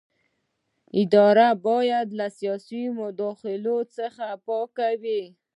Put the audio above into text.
اداره باید له سیاسي مداخلو څخه پاکه وي.